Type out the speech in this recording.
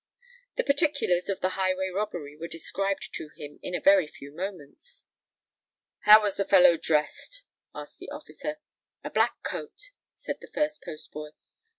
The particulars of the highway robbery were described to him in a very few moments. "How was the fellow dressed?" asked the officer. "A black coat," said the first postboy.